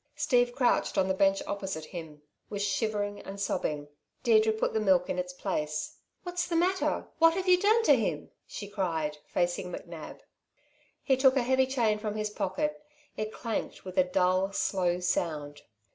Steve, crouched on the bench opposite him, was shivering and sobbing. Deirdre put the milk in its place. "What's the matter? What have you done to him?" she cried, facing McNab. He took a heavy chain from his pocket. It clanked with a dull, slow sound.